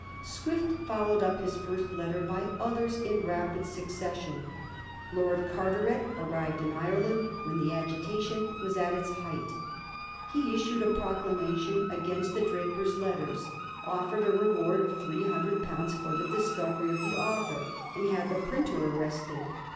Swift followed up his first letter by others in rapid succession. Lord Carteret arrived in Ireland when the agitation was at its height. He issued a proclamation against the ' Drapier's Letters,' offered a reward of three hundred pounds for the discovery of the author, and had the printer arrested.